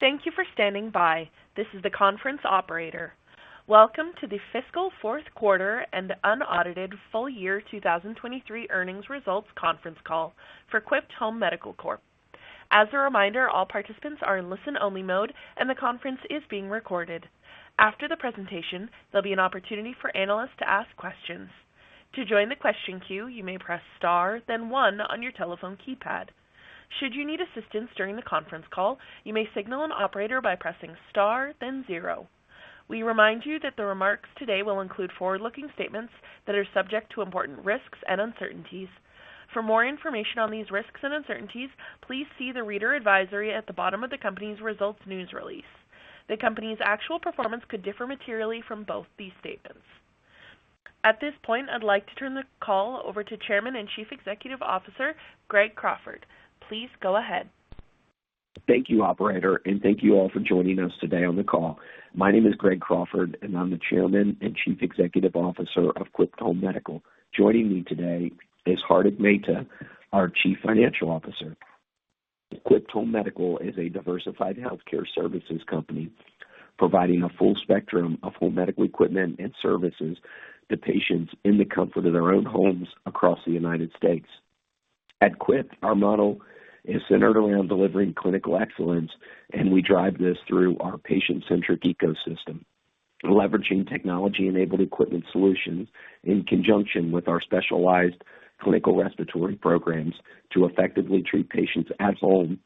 Thank you for standing by. This is the conference operator. Welcome to the Fiscal Fourth Quarter and Unaudited Full Year 2023 Earnings Results Conference Call for Quipt Home Medical Corp. As a reminder, all participants are in listen-only mode, and the conference is being recorded. After the presentation, there'll be an opportunity for analysts to ask questions. To join the question queue, you may press star, then one on your telephone keypad. Should you need assistance during the conference call, you may signal an operator by pressing star, then zero. We remind you that the remarks today will include forward-looking statements that are subject to important risks and uncertainties. For more information on these risks and uncertainties, please see the reader advisory at the bottom of the company's results news release. The company's actual performance could differ materially from both these statements. At this point, I'd like to turn the call over to Chairman and Chief Executive Officer, Greg Crawford. Please go ahead. Thank you, operator, and thank you all for joining us today on the call. My name is Greg Crawford, and I'm the Chairman and Chief Executive Officer of Quipt Home Medical. Joining me today is Hardik Mehta, our Chief Financial Officer. Quipt Home Medical is a diversified healthcare services company, providing a full spectrum of home medical equipment and services to patients in the comfort of their own homes across the United States. At Quipt, our model is centered around delivering clinical excellence, and we drive this through our patient-centric ecosystem, leveraging technology-enabled equipment solutions in conjunction with our specialized clinical respiratory programs to effectively treat patients at home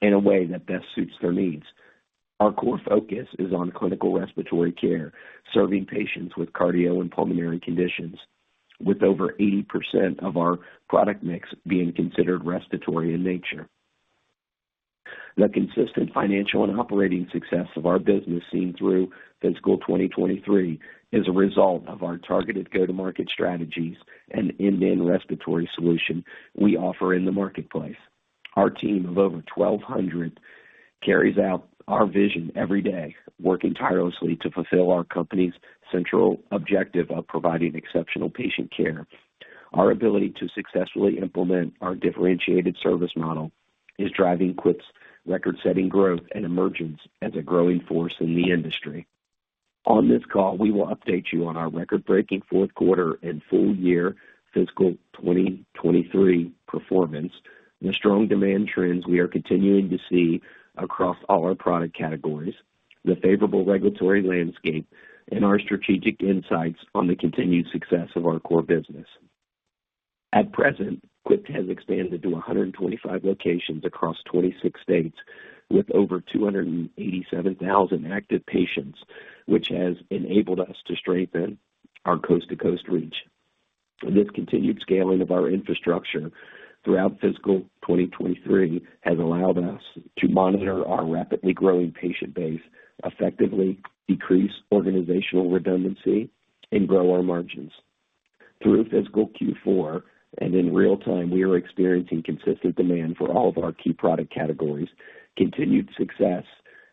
in a way that best suits their needs. Our core focus is on clinical respiratory care, serving patients with cardio and pulmonary conditions, with over 80% of our product mix being considered respiratory in nature. The consistent financial and operating success of our business, seen through fiscal 2023, is a result of our targeted go-to-market strategies and end-to-end respiratory solution we offer in the marketplace. Our team of over 1,200 carries out our vision every day, working tirelessly to fulfill our company's central objective of providing exceptional patient care. Our ability to successfully implement our differentiated service model is driving Quipt's record-setting growth and emergence as a growing force in the industry. On this call, we will update you on our record-breaking fourth quarter and full year fiscal 2023 performance, the strong demand trends we are continuing to see across all our product categories, the favorable regulatory landscape, and our strategic insights on the continued success of our core business. At present, Quipt has expanded to 125 locations across 26 states, with over 287,000 active patients, which has enabled us to strengthen our coast-to-coast reach. This continued scaling of our infrastructure throughout fiscal 2023 has allowed us to monitor our rapidly growing patient base, effectively decrease organizational redundancy, and grow our margins. Through fiscal Q4 and in real time, we are experiencing consistent demand for all of our key product categories, continued success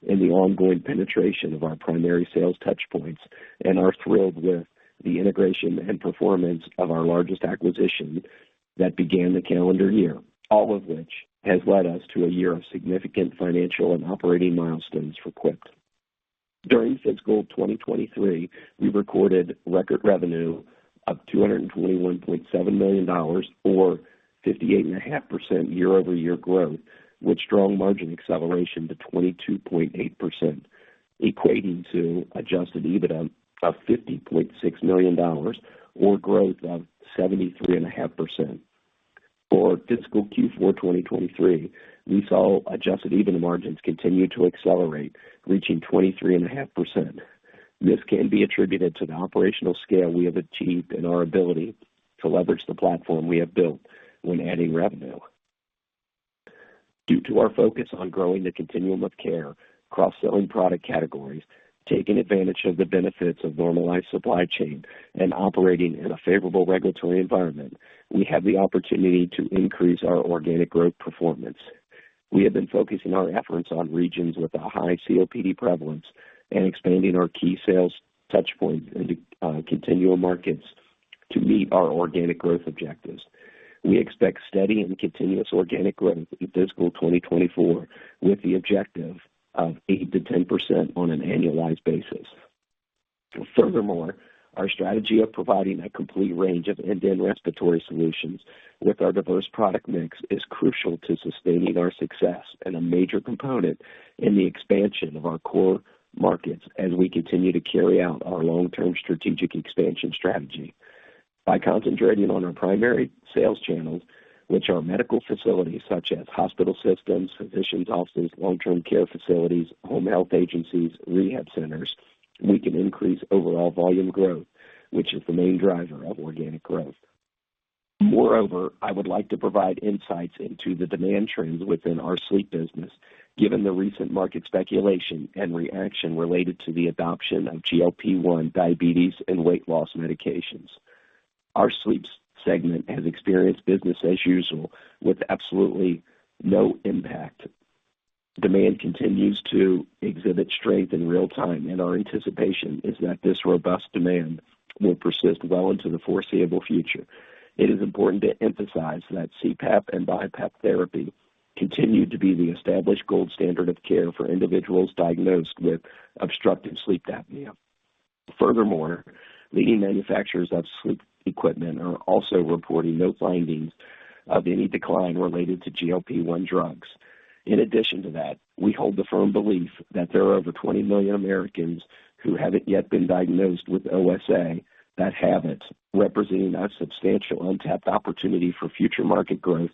in the ongoing penetration of our primary sales touchpoints, and are thrilled with the integration and performance of our largest acquisition that began the calendar year, all of which has led us to a year of significant financial and operating milestones for Quipt. During fiscal 2023, we recorded record revenue of $221.7 million, or 58.5% year-over-year growth, with strong margin acceleration to 22.8%, equating to Adjusted EBITDA of $50.6 million or growth of 73.5%. For fiscal Q4 2023, we saw Adjusted EBITDA margins continue to accelerate, reaching 23.5%. This can be attributed to the operational scale we have achieved and our ability to leverage the platform we have built when adding revenue. Due to our focus on growing the continuum of care across selling product categories, taking advantage of the benefits of normalized supply chain and operating in a favorable regulatory environment, we have the opportunity to increase our organic growth performance. We have been focusing our efforts on regions with a high COPD prevalence and expanding our key sales touchpoints into continual markets to meet our organic growth objectives. We expect steady and continuous organic growth in fiscal 2024, with the objective of 8%-10% on an annualized basis. Furthermore, our strategy of providing a complete range of end-to-end respiratory solutions with our diverse product mix is crucial to sustaining our success and a major component in the expansion of our core markets as we continue to carry out our long-term strategic expansion strategy. By concentrating on our primary sales channels, which are medical facilities such as hospital systems, physicians' offices, long-term care facilities, home health agencies, rehab centers, we can increase overall volume growth, which is the main driver of organic growth. Moreover, I would like to provide insights into the demand trends within our sleep business, given the recent market speculation and reaction related to the adoption of GLP-1 diabetes and weight loss medications. Our sleep segment has experienced business as usual with absolutely no impact. Demand continues to exhibit strength in real time, and our anticipation is that this robust demand will persist well into the foreseeable future. It is important to emphasize that CPAP and BiPAP therapy continue to be the established gold standard of care for individuals diagnosed with obstructive sleep apnea. Furthermore, leading manufacturers of sleep equipment are also reporting no findings of any decline related to GLP-1 drugs. In addition to that, we hold the firm belief that there are over 20 million Americans who haven't yet been diagnosed with OSA, that have it, representing a substantial untapped opportunity for future market growth.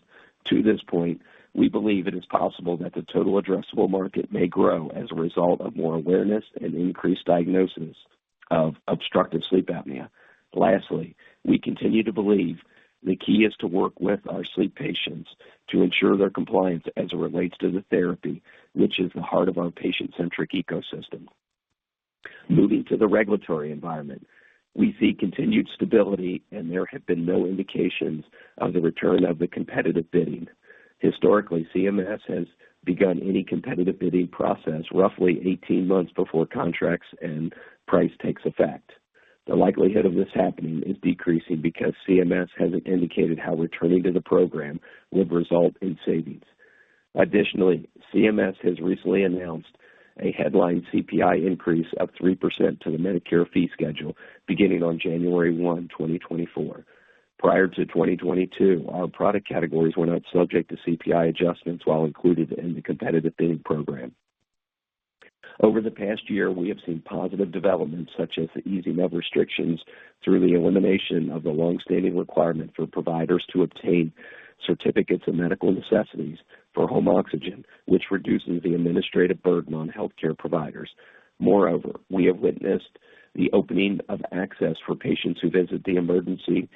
To this point, we believe it is possible that the total addressable market may grow as a result of more awareness and increased diagnosis of obstructive sleep apnea. Lastly, we continue to believe the key is to work with our sleep patients to ensure their compliance as it relates to the therapy, which is the heart of our patient-centric ecosystem. Moving to the regulatory environment, we see continued stability, and there have been no indications of the return of the competitive bidding. Historically, CMS has begun any competitive bidding process roughly 18 months before contracts and price takes effect. The likelihood of this happening is decreasing because CMS hasn't indicated how returning to the program would result in savings. Additionally, CMS has recently announced a headline CPI increase of 3% to the Medicare fee schedule beginning on January 1, 2024. Prior to 2022, our product categories were not subject to CPI adjustments while included in the Competitive Bidding program. Over the past year, we have seen positive developments, such as the easing of restrictions through the elimination of the long-standing requirement for providers to obtain certificates of medical necessity for home oxygen, which reduces the administrative burden on healthcare providers. Moreover, we have witnessed the opening of access for patients who visit the emergency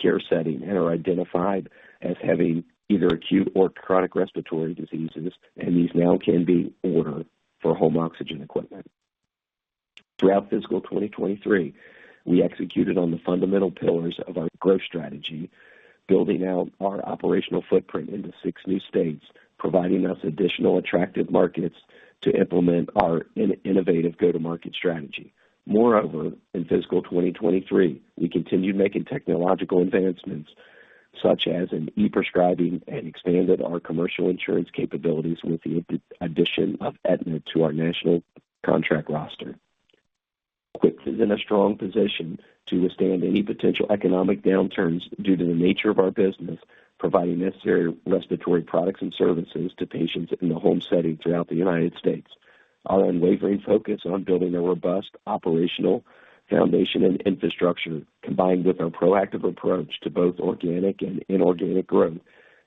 care setting and are identified as having either acute or chronic respiratory diseases, and these now can be ordered for home oxygen equipment. Throughout fiscal 2023, we executed on the fundamental pillars of our growth strategy, building out our operational footprint into 6 new states, providing us additional attractive markets to implement our innovative go-to-market strategy. Moreover, in fiscal 2023, we continued making technological advancements such as an e-prescribing and expanded our commercial insurance capabilities with the addition of Aetna to our national contract roster. Quipt is in a strong position to withstand any potential economic downturns due to the nature of our business, providing necessary respiratory products and services to patients in the home setting throughout the United States. Our unwavering focus on building a robust operational foundation and infrastructure, combined with our proactive approach to both organic and inorganic growth,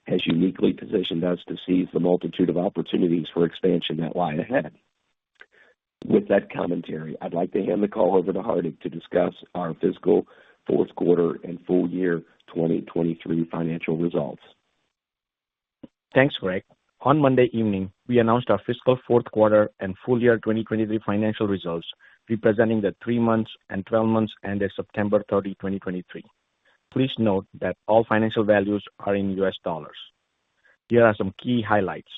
has uniquely positioned us to seize the multitude of opportunities for expansion that lie ahead. With that commentary, I'd like to hand the call over to Hardik to discuss our fiscal fourth quarter and full year 2023 financial results. Thanks, Greg. On Monday evening, we announced our fiscal fourth quarter and full year 2023 financial results, representing the three months and twelve months ended September 30, 2023. Please note that all financial values are in US dollars. Here are some key highlights.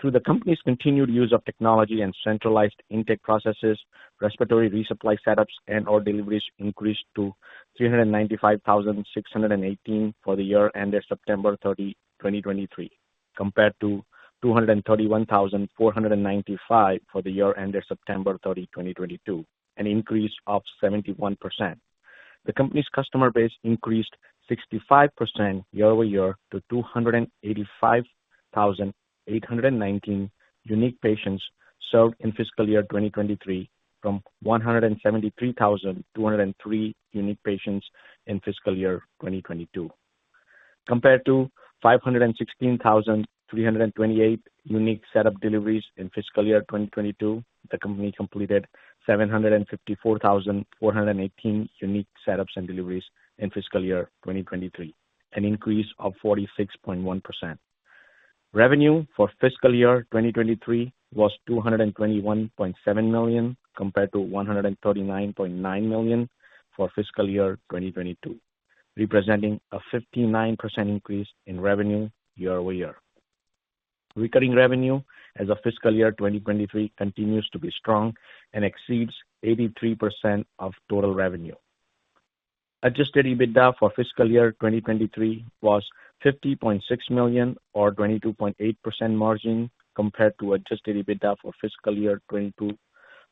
Through the company's continued use of technology and centralized intake processes, respiratory resupply setups and/or deliveries increased to 395,618 for the year ended September 30, 2023, compared to 231,495 for the year ended September 30, 2022, an increase of 71%. The company's customer base increased 65% year-over-year to 285,819 unique patients served in fiscal year 2023, from 173,203 unique patients in fiscal year 2022. Compared to 516,328 unique setup deliveries in fiscal year 2022, the company completed 754,418 unique setups and deliveries in fiscal year 2023, an increase of 46.1%. Revenue for fiscal year 2023 was $221.7 million, compared to $139.9 million for fiscal year 2022, representing a 59% increase in revenue year-over-year. Recurring revenue as of fiscal year 2023 continues to be strong and exceeds 83% of total revenue. Adjusted EBITDA for fiscal year 2023 was $50.6 million, or 22.8% margin, compared to adjusted EBITDA for fiscal year 2022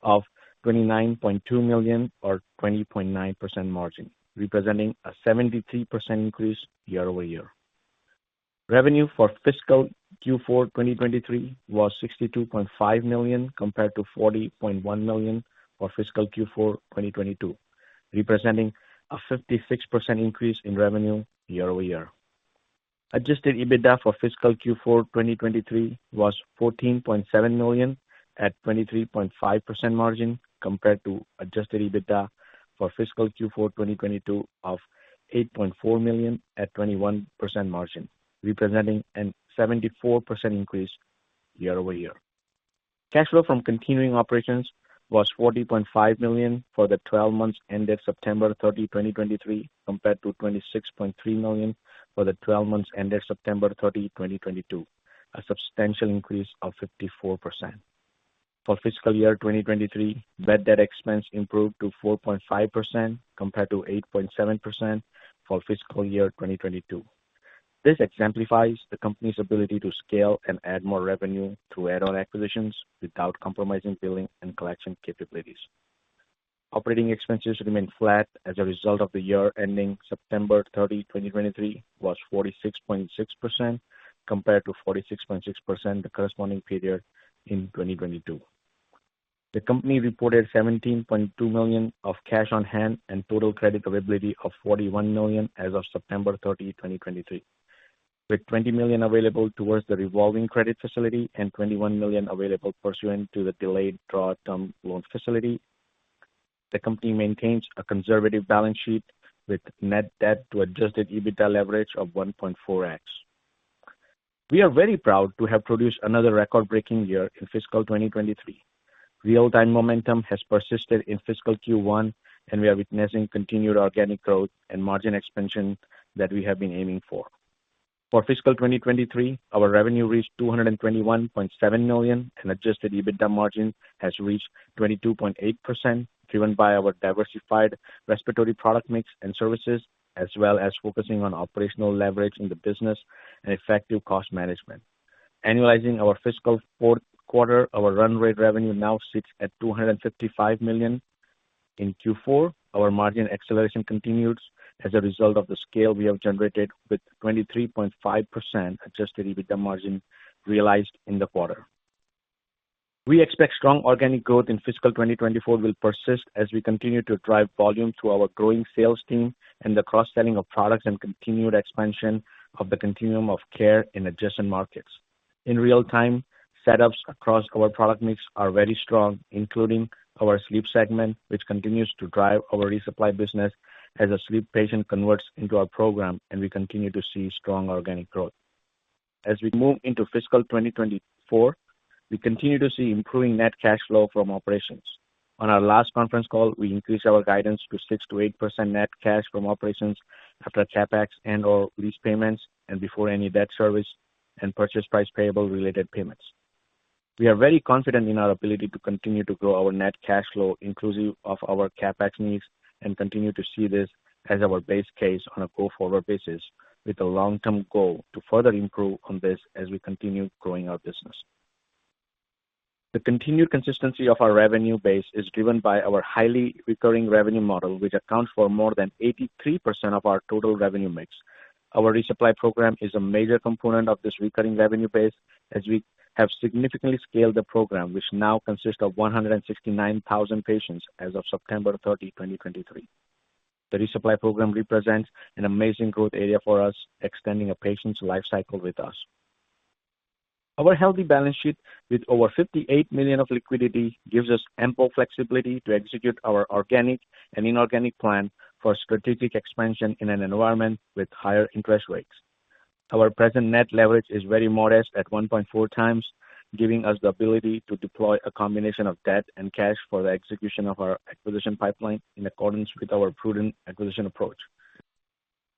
of $29.2 million, or 20.9% margin, representing a 73% increase year-over-year. Revenue for fiscal Q4 2023 was $62.5 million, compared to $40.1 million for fiscal Q4 2022, representing a 56% increase in revenue year-over-year. Adjusted EBITDA for fiscal Q4 2023 was $14.7 million, at 23.5% margin, compared to Adjusted EBITDA for fiscal Q4 2022 of $8.4 million at 21% margin, representing a 74% increase year-over-year. Cash flow from continuing operations was $40.5 million for the twelve months ended September 30, 2023, compared to $26.3 million for the twelve months ended September 30, 2022, a substantial increase of 54%. For fiscal year 2023, bad debt expense improved to 4.5%, compared to 8.7% for fiscal year 2022. This exemplifies the company's ability to scale and add more revenue through add-on acquisitions without compromising billing and collection capabilities. Operating expenses remain flat as a result. The year ending September 30, 2023, was 46.6%, compared to 46.6% the corresponding period in 2022. The company reported $17.2 million of cash on hand and total credit availability of $41 million as of September 30, 2023, with $20 million available towards the revolving credit facility and $21 million available pursuant to the delayed draw term loan facility. The company maintains a conservative balance sheet with net debt to Adjusted EBITDA leverage of 1.4x. We are very proud to have produced another record-breaking year in fiscal 2023. Real-time momentum has persisted in fiscal Q1, and we are witnessing continued organic growth and margin expansion that we have been aiming for. For fiscal 2023, our revenue reached $221.7 million, and Adjusted EBITDA margin has reached 22.8%, driven by our diversified respiratory product mix and services, as well as focusing on operational leverage in the business and effective cost management. Annualizing our fiscal fourth quarter, our run rate revenue now sits at $255 million. In Q4, our margin acceleration continues as a result of the scale we have generated, with 23.5% Adjusted EBITDA margin realized in the quarter. We expect strong organic growth in fiscal 2024 will persist as we continue to drive volume through our growing sales team and the cross-selling of products and continued expansion of the continuum of care in adjacent markets. In real time, setups across our product mix are very strong, including our sleep segment, which continues to drive our resupply business as a sleep patient converts into our program, and we continue to see strong organic growth. As we move into fiscal 2024, we continue to see improving net cash flow from operations. On our last conference call, we increased our guidance to 6%-8% net cash from operations after CapEx and/or lease payments and before any debt service and purchase price payable related payments. We are very confident in our ability to continue to grow our net cash flow, inclusive of our CapEx needs, and continue to see this as our base case on a go-forward basis, with a long-term goal to further improve on this as we continue growing our business. The continued consistency of our revenue base is driven by our highly recurring revenue model, which accounts for more than 83% of our total revenue mix. Our resupply program is a major component of this recurring revenue base, as we have significantly scaled the program, which now consists of 169,000 patients as of September 30, 2023. The resupply program represents an amazing growth area for us, extending a patient's life cycle with us. Our healthy balance sheet, with over $58 million of liquidity, gives us ample flexibility to execute our organic and inorganic plan for strategic expansion in an environment with higher interest rates. Our present net leverage is very modest at 1.4x, giving us the ability to deploy a combination of debt and cash for the execution of our acquisition pipeline in accordance with our prudent acquisition approach.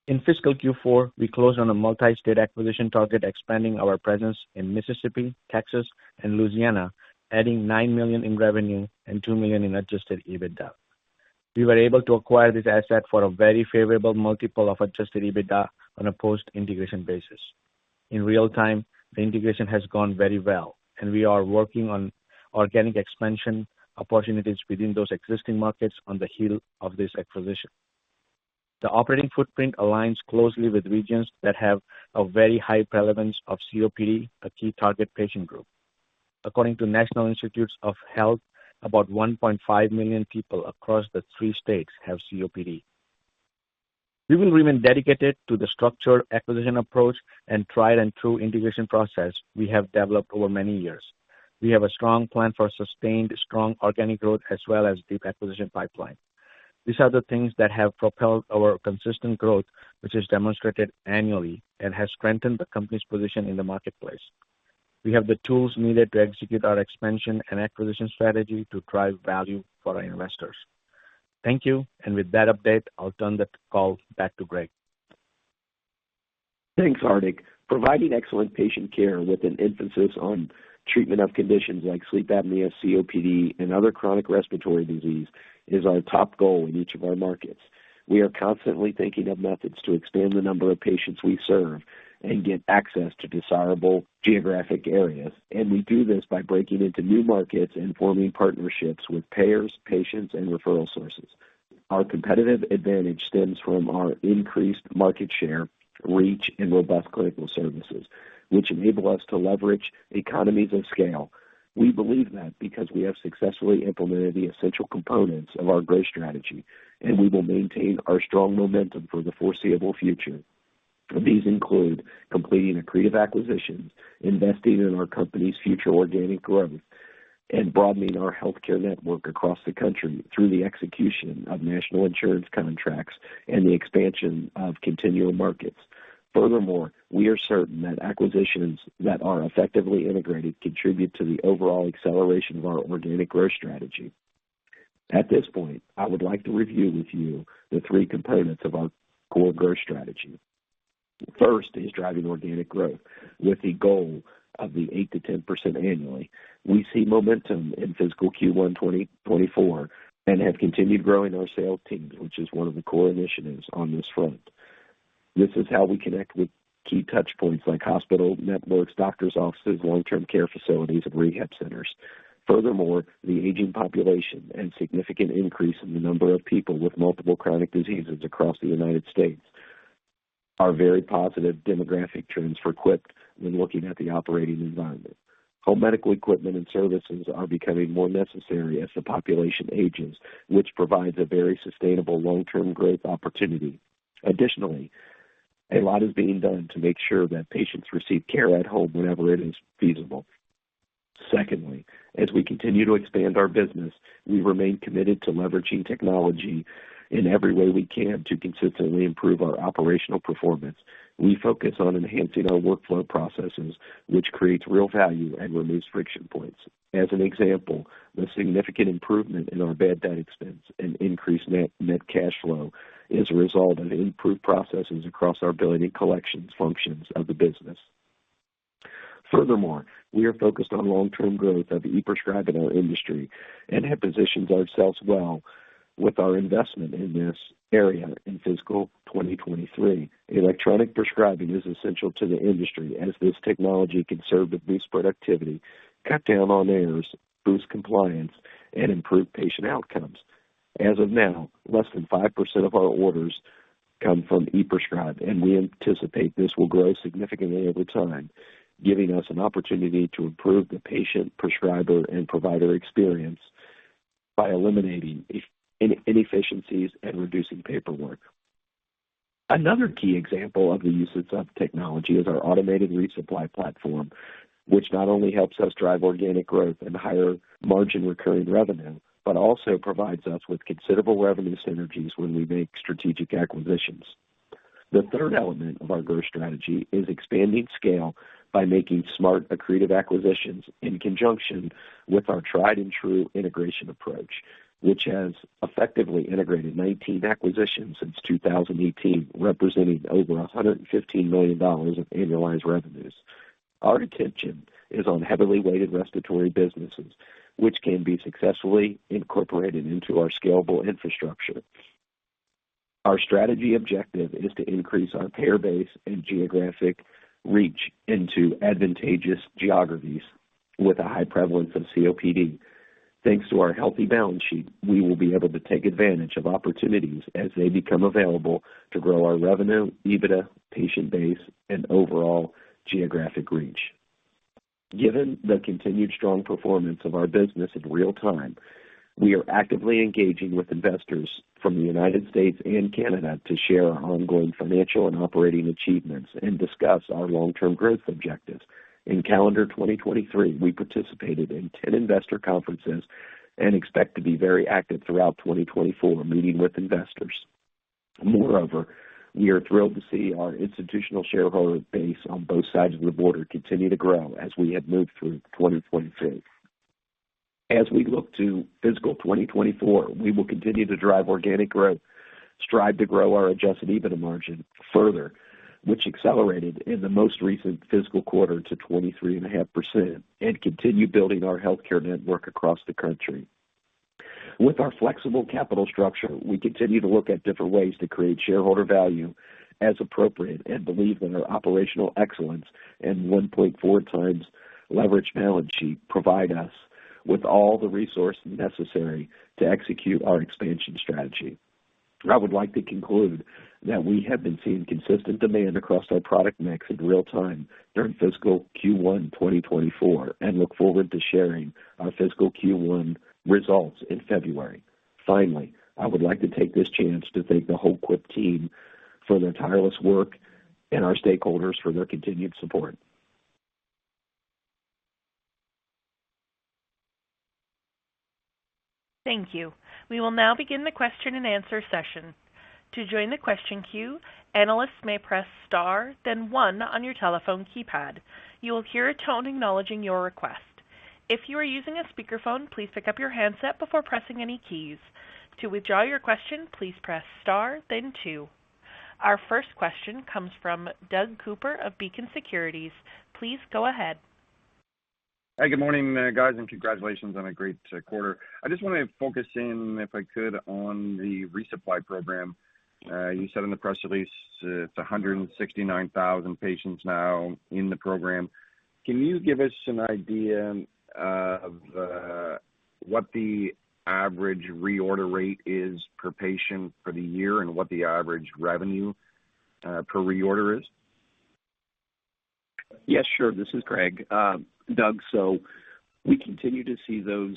In fiscal Q4, we closed on a multi-state acquisition target, expanding our presence in Mississippi, Texas, and Louisiana, adding $9 million in revenue and $2 million in Adjusted EBITDA. We were able to acquire this asset for a very favorable multiple of Adjusted EBITDA on a post-integration basis. In real time, the integration has gone very well, and we are working on organic expansion opportunities within those existing markets on the heel of this acquisition. The operating footprint aligns closely with regions that have a very high prevalence of COPD, a key target patient group. According to National Institutes of Health, about 1.5 million people across the three states have COPD. We will remain dedicated to the structured acquisition approach and tried-and-true integration process we have developed over many years. We have a strong plan for sustained strong organic growth as well as deep acquisition pipeline. These are the things that have propelled our consistent growth, which is demonstrated annually and has strengthened the company's position in the marketplace. We have the tools needed to execute our expansion and acquisition strategy to drive value for our investors. Thank you. With that update, I'll turn the call back to Greg. Thanks, Hardik. Providing excellent patient care with an emphasis on treatment of conditions like sleep apnea, COPD, and other chronic respiratory disease is our top goal in each of our markets. We are constantly thinking of methods to expand the number of patients we serve and get access to desirable geographic areas, and we do this by breaking into new markets and forming partnerships with payers, patients, and referral sources. Our competitive advantage stems from our increased market share, reach, and robust clinical services, which enable us to leverage economies of scale. We believe that because we have successfully implemented the essential components of our growth strategy, and we will maintain our strong momentum for the foreseeable future. These include completing accretive acquisitions, investing in our company's future organic growth, and broadening our healthcare network across the country through the execution of national insurance contracts and the expansion of contiguous markets. Furthermore, we are certain that acquisitions that are effectively integrated contribute to the overall acceleration of our organic growth strategy. At this point, I would like to review with you the three components of our core growth strategy. First is driving organic growth with the goal of 8%-10% annually. We see momentum in fiscal Q1 2024 and have continued growing our sales team, which is one of the core initiatives on this front. This is how we connect with key touch points like hospital networks, doctor's offices, long-term care facilities, and rehab centers. Furthermore, the aging population and significant increase in the number of people with multiple chronic diseases across the United States are very positive demographic trends for Quipt when looking at the operating environment. Home medical equipment and services are becoming more necessary as the population ages, which provides a very sustainable long-term growth opportunity. Additionally, a lot is being done to make sure that patients receive care at home whenever it is feasible. Secondly, as we continue to expand our business, we remain committed to leveraging technology in every way we can to consistently improve our operational performance. We focus on enhancing our workflow processes, which creates real value and removes friction points. As an example, the significant improvement in our bad debt expense and increased net, net cash flow is a result of improved processes across our billing and collections functions of the business. Furthermore, we are focused on long-term growth of the e-prescribing industry and have positioned ourselves well with our investment in this area in fiscal 2023. Electronic prescribing is essential to the industry as this technology can serve to boost productivity, cut down on errors, boost compliance, and improve patient outcomes. As of now, less than 5% of our orders come from e-prescribe, and we anticipate this will grow significantly over time, giving us an opportunity to improve the patient, prescriber, and provider experience by eliminating inefficiencies and reducing paperwork. Another key example of the uses of technology is our automated resupply platform, which not only helps us drive organic growth and higher margin recurring revenue, but also provides us with considerable revenue synergies when we make strategic acquisitions. The third element of our growth strategy is expanding scale by making smart, accretive acquisitions in conjunction with our tried-and-true integration approach, which has effectively integrated 19 acquisitions since 2018, representing over $115 million of annualized revenues. Our attention is on heavily weighted respiratory businesses, which can be successfully incorporated into our scalable infrastructure. Our strategy objective is to increase our payer base and geographic reach into advantageous geographies with a high prevalence of COPD. Thanks to our healthy balance sheet, we will be able to take advantage of opportunities as they become available to grow our revenue, EBITDA, patient base, and overall geographic reach. Given the continued strong performance of our business in real time, we are actively engaging with investors from the United States and Canada to share our ongoing financial and operating achievements and discuss our long-term growth objectives. In calendar 2023, we participated in 10 investor conferences and expect to be very active throughout 2024, meeting with investors. Moreover, we are thrilled to see our institutional shareholder base on both sides of the border continue to grow as we have moved through 2023. As we look to fiscal 2024, we will continue to drive organic growth, strive to grow our Adjusted EBITDA margin further, which accelerated in the most recent fiscal quarter to 23.5%, and continue building our healthcare network across the country. With our flexible capital structure, we continue to look at different ways to create shareholder value as appropriate and believe in our operational excellence and 1.4x leverage balance sheet provide us with all the resources necessary to execute our expansion strategy. I would like to conclude that we have been seeing consistent demand across our product mix in real time during fiscal Q1, 2024, and look forward to sharing our fiscal Q1 results in February. Finally, I would like to take this chance to thank the whole Quipt team for their tireless work and our stakeholders for their continued support. Thank you. We will now begin the question-and-answer session. To join the question queue, analysts may press star, then one on your telephone keypad. You will hear a tone acknowledging your request. If you are using a speakerphone, please pick up your handset before pressing any keys. To withdraw your question, please press star then two. Our first question comes from Doug Cooper of Beacon Securities. Please go ahead. Hi, good morning, guys, and congratulations on a great quarter. I just want to focus in, if I could, on the resupply program. You said in the press release it's 169,000 patients now in the program. Can you give us an idea of what the average reorder rate is per patient for the year and what the average revenue per reorder is? Yes, sure. This is Greg. Doug, so we continue to see those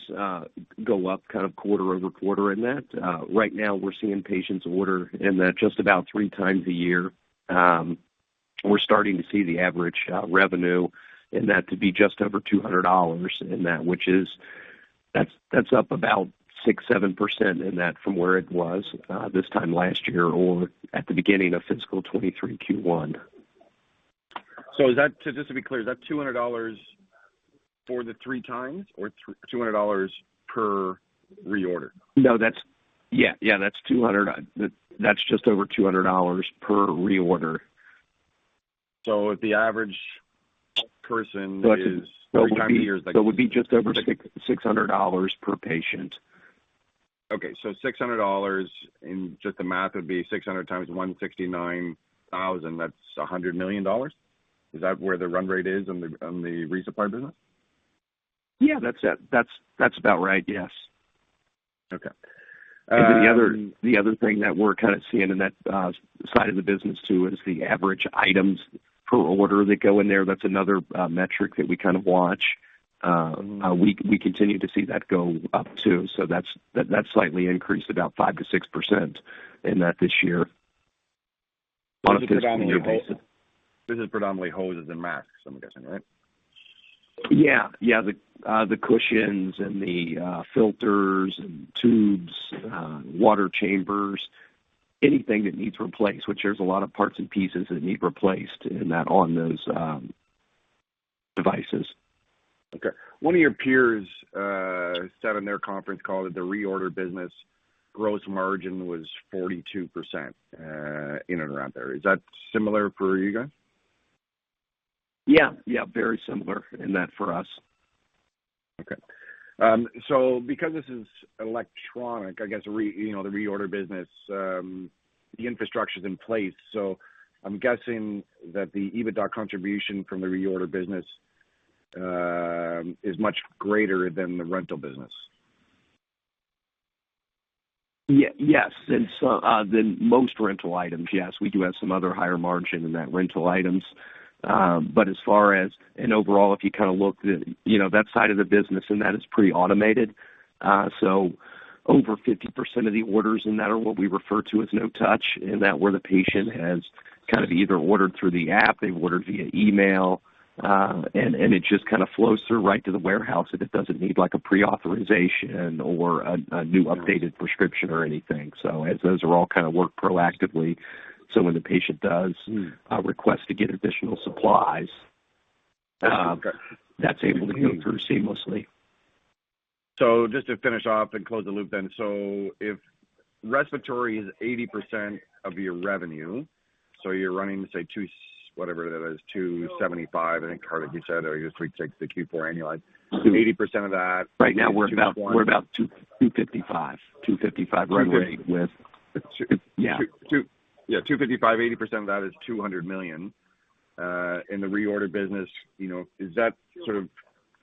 go up kind of quarter-over-quarter in that. Right now we're seeing patients order in that just about three times a year. We're starting to see the average revenue in that to be just over $200 in that, which is... That's, that's up about 6-7% in that from where it was this time last year or at the beginning of fiscal 2023 Q1. Is that, just to be clear, is that 200 for the 3 times or 200 per reorder? No, that's. Yeah, yeah, that's 200. That's just over 200 per reorder. So if the average person is 3x a year- It would be just over $600 per patient. Okay. So $600, and just the math would be 600 times 169,000, that's $100 million? Is that where the run rate is on the, on the resupply business? Yeah, that's, that's about right. Yes. Okay, um- And the other, the other thing that we're kind of seeing in that side of the business, too, is the average items per order that go in there. That's another metric that we kind of watch. We continue to see that go up, too, so that's that, that slightly increased about 5%-6% in that this year. This is predominantly hoses and masks, I'm guessing, right? Yeah. Yeah, the cushions and the filters and tubes, water chambers, anything that needs replaced, which there's a lot of parts and pieces that need replaced in that, on those devices. Okay. One of your peers said in their conference call that the reorder business gross margin was 42%, in and around there. Is that similar for you guys? Yeah. Yeah, very similar in that for us. Okay. So because this is electronic, I guess, you know, the reorder business, the infrastructure is in place, so I'm guessing that the EBITDA contribution from the reorder business is much greater than the rental business. Yes, than some, than most rental items, yes. We do have some other higher margin in that rental items. But as far as... Overall, if you kind of look at, you know, that side of the business, and that is pretty automated. So over 50% of the orders in that are what we refer to as no touch, and that's where the patient has kind of either ordered through the app, they've ordered via email, and, and it just kind of flows through right to the warehouse if it doesn't need, like, a pre-authorization or a, a new updated prescription or anything. So as those are all kind of worked proactively, so when the patient does- Mm-hmm. Request to get additional supplies. Okay. That's able to go through seamlessly. Just to finish off and close the loop then. If respiratory is 80% of your revenue, so you're running, say, $2, whatever that is, $275, I think, Hardik, you said, or you're $36, the Q4 annualized. Mm-hmm. 80% of that- Right now, we're about $255. $255 run rate with- Two- Yeah. Yeah, 255, 80% of that is $200 million. In the reorder business, you know, is that sort of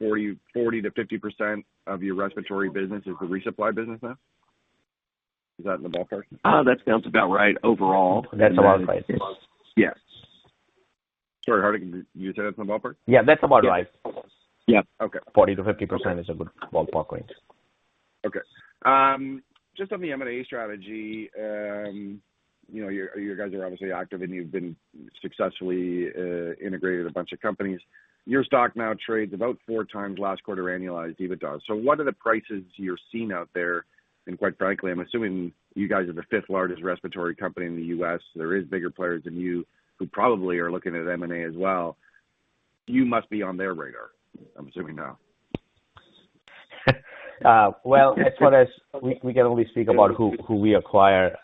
40-50% of your respiratory business is the resupply business now? Is that in the ballpark? That sounds about right overall. That's about right, yes. Yeah. Sorry, Hardik, did you say that's in the ballpark? Yeah, that's about right. Yeah. Okay. 40%-50% is a good ballpark range. Okay. Just on the M&A strategy, you know, your, you guys are obviously active, and you've been successfully integrated a bunch of companies. Your stock now trades about 4x last quarter annualized EBITDA. So what are the prices you're seeing out there? And quite frankly, I'm assuming you guys are the fifth largest respiratory company in the U.S. There is bigger players than you, who probably are looking at M&A as well. You must be on their radar, I'm assuming now. Well, as far as we can only speak about who we acquire,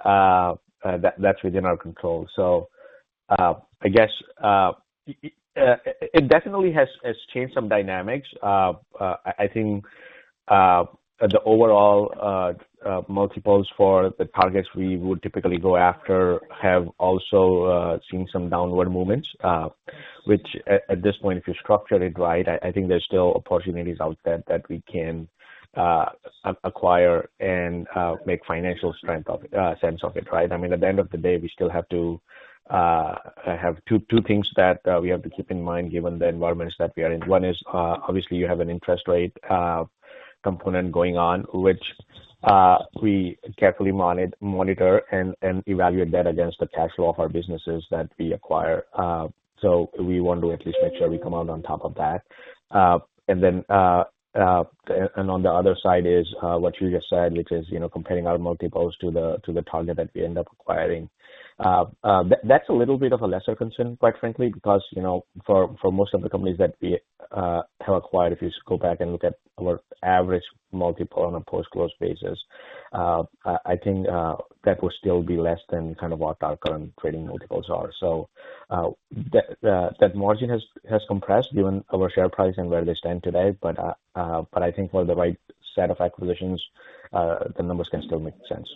that's within our control. So, I guess, it definitely has changed some dynamics. I think the overall multiples for the targets we would typically go after have also seen some downward movements, which at this point, if you structure it right, I think there's still opportunities out there that we can acquire and make financial sense of it, right? I mean, at the end of the day, we still have to have two things that we have to keep in mind, given the environments that we are in. One is, obviously, you have an interest rate component going on, which we carefully monitor and evaluate that against the cash flow of our businesses that we acquire. So we want to at least make sure we come out on top of that. And then, on the other side is what you just said, which is, you know, comparing our multiples to the target that we end up acquiring. That's a little bit of a lesser concern, quite frankly, because, you know, for most of the companies that we have acquired, if you go back and look at our average multiple on a post-close basis, I think that will still be less than kind of what our current trading multiples are. So, that margin has compressed given our share price and where they stand today, but I think for the right set of acquisitions, the numbers can still make sense.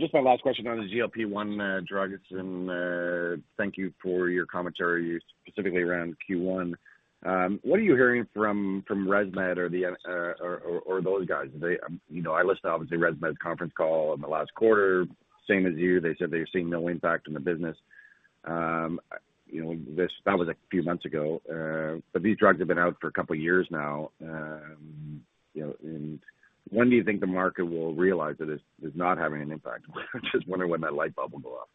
Just my last question on the GLP-1 drugs, and thank you for your commentary, specifically around Q1. What are you hearing from ResMed or those guys? You know, I listened to, obviously, ResMed's conference call in the last quarter. Same as you, they said they're seeing no impact on the business. You know, that was a few months ago, but these drugs have been out for a couple of years now. You know, and when do you think the market will realize that this is not having an impact? I'm just wondering when that light bulb will go off.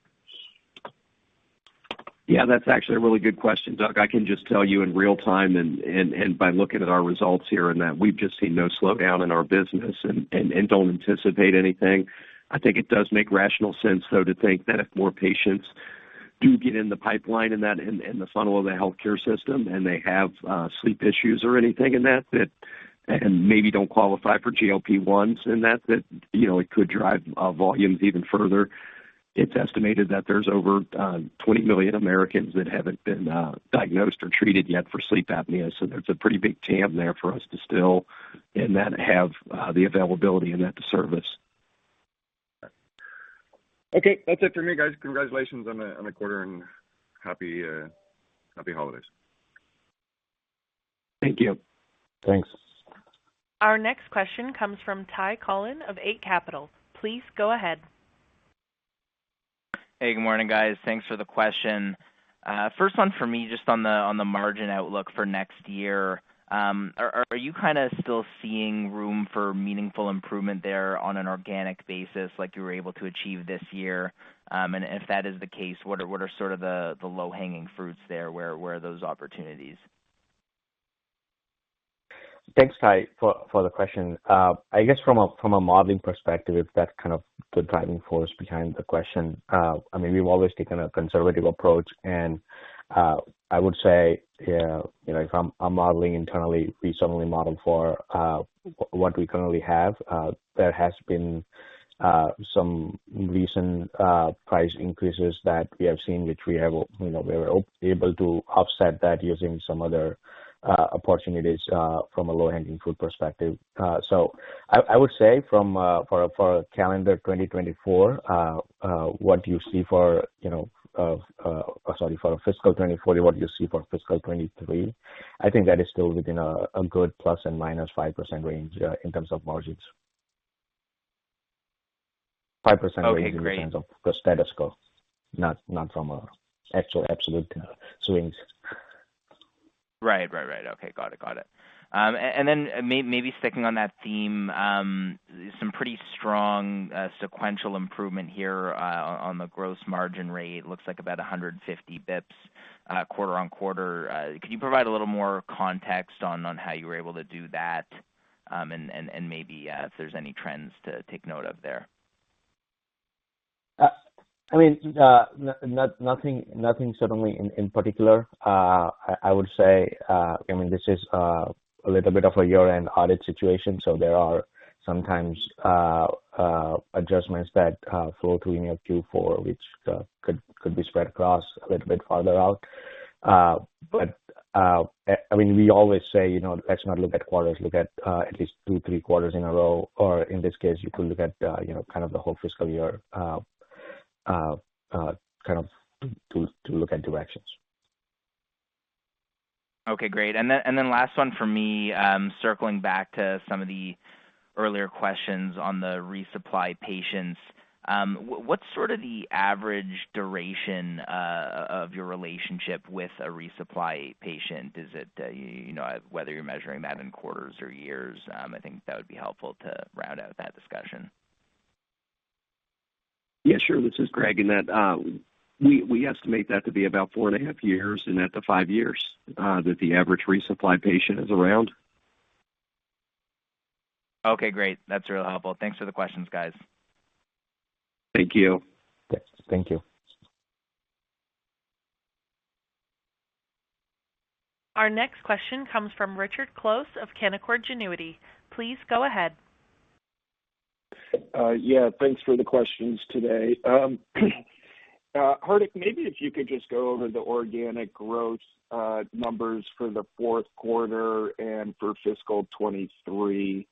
Yeah, that's actually a really good question, Doug. I can just tell you in real time and by looking at our results here, and that we've just seen no slowdown in our business and don't anticipate anything. I think it does make rational sense, though, to think that if more patients do get in the pipeline and that in the funnel of the healthcare system, and they have sleep issues or anything in that and maybe don't qualify for GLP-1s, and that you know, it could drive volumes even further. It's estimated that there's over 20 million Americans that haven't been diagnosed or treated yet for sleep apnea, so there's a pretty big TAM there for us to still, and then have the availability and that to service. Okay. That's it for me, guys. Congratulations on the quarter, and happy holidays. Thank you. Thanks. Our next question comes from Ty Collin of Eight Capital. Please go ahead. Hey, good morning, guys. Thanks for the question. First one for me, just on the margin outlook for next year. Are you kind of still seeing room for meaningful improvement there on an organic basis like you were able to achieve this year? And if that is the case, what are sort of the low-hanging fruits there? Where are those opportunities? Thanks, Ty, for the question. I guess from a modeling perspective, that's kind of the driving force behind the question. I mean, we've always taken a conservative approach, and I would say, you know, if I'm modeling internally, we suddenly model for what we currently have. There has been some recent price increases that we have seen, which we have—you know, we were able to offset that using some other opportunities from a low-hanging fruit perspective. So I would say for calendar 2024, what you see for, you know... Sorry, for fiscal 2024, what you see for fiscal 2023, I think that is still within a good ±5% range in terms of margins. 5%- Okay, great. The status quo, not from an actual absolute swings. Right. Right, right. Okay, got it. Got it. And then maybe sticking on that theme, some pretty strong sequential improvement here on the gross margin rate. Looks like about 150 bips quarter on quarter. Could you provide a little more context on how you were able to do that? And maybe if there's any trends to take note of there. I mean, nothing certainly in particular. I would say, I mean, this is a little bit of a year-end audit situation, so there are sometimes adjustments that flow through in your Q4, which could be spread across a little bit farther out. But, I mean, we always say, you know, let's not look at quarters, look at at least two, three quarters in a row, or in this case, you could look at, you know, kind of the whole fiscal year, kind of to look at directions. Okay, great. And then, and then last one for me, circling back to some of the earlier questions on the resupply patients. What, what's sort of the average duration of your relationship with a resupply patient? Is it, you know, whether you're measuring that in quarters or years, I think that would be helpful to round out that discussion. Yeah, sure. This is Greg, and we estimate that to be about 4.5-5 years, that the average resupply patient is around. Okay, great. That's really helpful. Thanks for the questions, guys. Thank you. Thank you. Our next question comes from Richard Close of Canaccord Genuity. Please go ahead. Yeah, thanks for the questions today. Hardik, maybe if you could just go over the organic growth numbers for the fourth quarter and for fiscal 2023,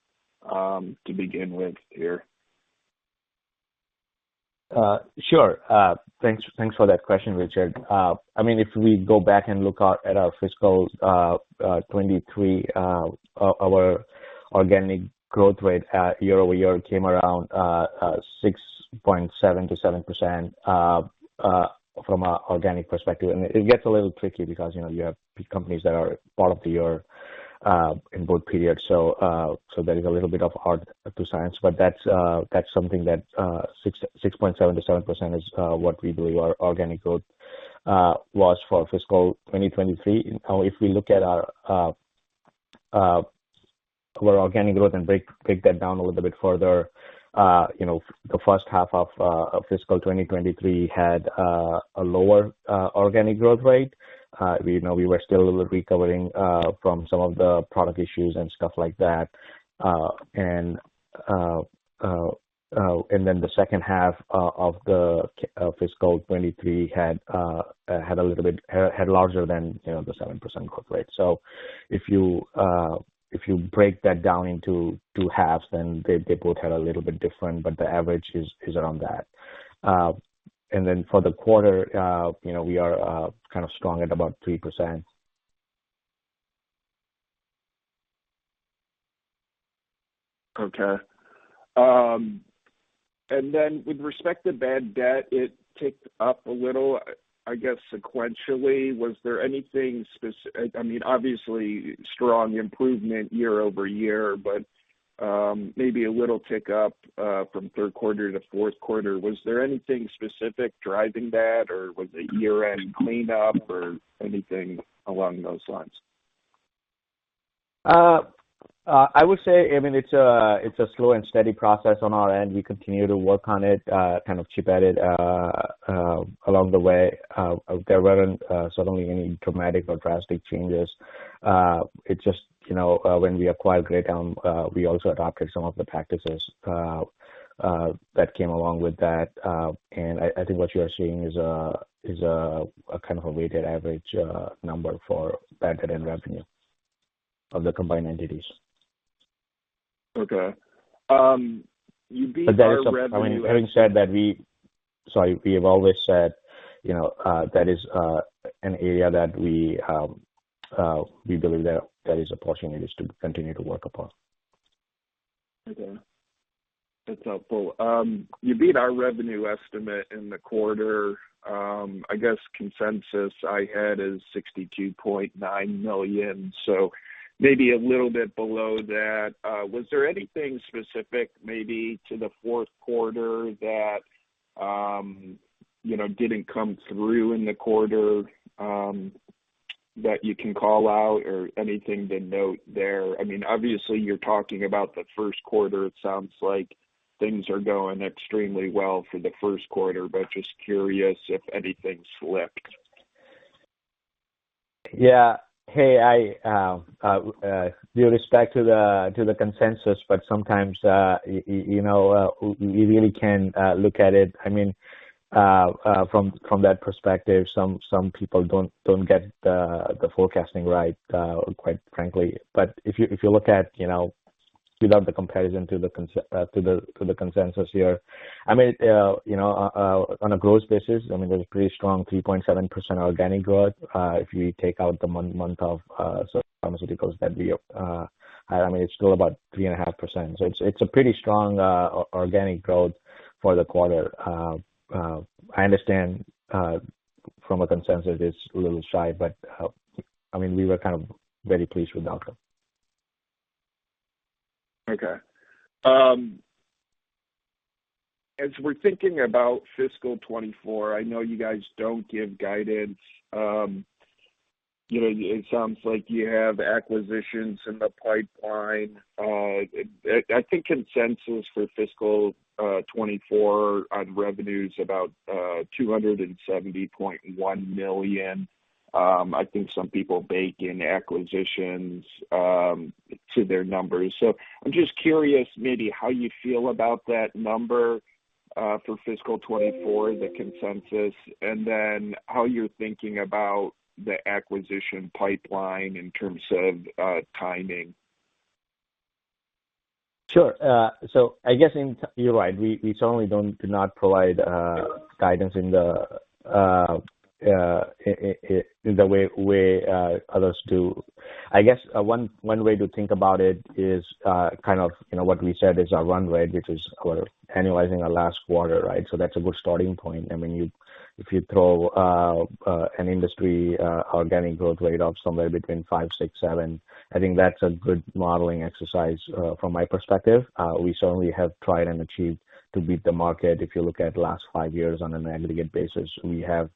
to begin with here. Sure. Thanks, thanks for that question, Richard. I mean, if we go back and look at our fiscal 2023, our organic growth rate year-over-year came around 6.7%-7% from an organic perspective. It gets a little tricky because, you know, you have companies that are part of the year in both periods. So there is a little bit of hard science, but that's something that 6.7%-7% is what we believe our organic growth was for fiscal 2023. Now, if we look at our organic growth and break that down a little bit further, you know, the first half of fiscal 2023 had a lower organic growth rate. We know we were still a little recovering from some of the product issues and stuff like that. And then the second half of fiscal 2023 had larger than, you know, the 7% growth rate. So if you break that down into two halves, then they both had a little bit different, but the average is around that. And then for the quarter, you know, we are kind of strong at about 3%. Okay. And then with respect to bad debt, it ticked up a little, I guess, sequentially. I mean, obviously strong improvement year-over-year, but maybe a little tick up from third quarter to fourth quarter. Was there anything specific driving that, or was it year-end cleanup or anything along those lines? I would say, I mean, it's a slow and steady process on our end. We continue to work on it, kind of chip at it, along the way. There weren't suddenly any dramatic or drastic changes. It just, you know, when we acquired Great Elm, we also adopted some of the practices that came along with that. And I think what you are seeing is a kind of a weighted average number for back-end and revenue of the combined entities. Okay. You beat our revenue- But that is, I mean, having said that, we, so we have always said, you know, that is an area that we believe that there is opportunities to continue to work upon. Okay. That's helpful. You beat our revenue estimate in the quarter. I guess consensus I had is $62.9 million, so maybe a little bit below that. Was there anything specific maybe to the fourth quarter that, you know, didn't come through in the quarter, that you can call out or anything to note there? I mean, obviously, you're talking about the first quarter. It sounds like things are going extremely well for the first quarter, but just curious if anything slipped? Yeah. Hey, I due respect to the consensus, but sometimes you know you really can look at it, I mean from that perspective, some people don't get the forecasting right, quite frankly. But if you look at you know without the comparison to the consensus here, I mean you know on a growth basis, I mean there's a pretty strong 3.7% organic growth. If you take out the month of pharmaceuticals that we I mean it's still about 3.5%. So it's a pretty strong organic growth for the quarter. I understand from a consensus, it's a little shy, but I mean, we were kind of very pleased with the outcome. Okay. As we're thinking about fiscal 2024, I know you guys don't give guidance. You know, it sounds like you have acquisitions in the pipeline. I think consensus for fiscal 2024 on revenue is about $270.1 million. I think some people bake in acquisitions to their numbers. So I'm just curious maybe how you feel about that number for fiscal 2024, the consensus, and then how you're thinking about the acquisition pipeline in terms of timing? Sure. So I guess you're right. We certainly do not provide guidance in the way others do. I guess, one way to think about it is, kind of, you know, what we said is our runway, which is kind of annualizing our last quarter, right? So that's a good starting point. I mean, you, if you throw an industry organic growth rate of somewhere between five, six, seven, I think that's a good modeling exercise from my perspective. We certainly have tried and achieved to beat the market. If you look at the last five years on an aggregate basis, we have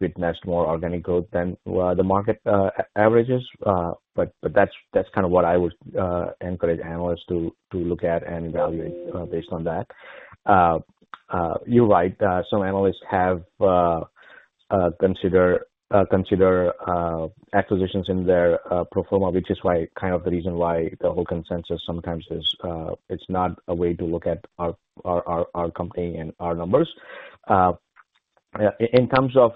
witnessed more organic growth than the market averages. But that's kind of what I would encourage analysts to look at and evaluate, based on that. You're right. Some analysts have considered acquisitions in their pro forma, which is why, kind of the reason why the whole consensus sometimes is, it's not a way to look at our company and our numbers. In terms of